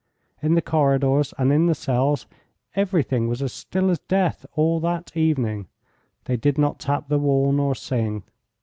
In the corridors and in the cells everything was as still as death all that evening. They did not tap the wall nor sing.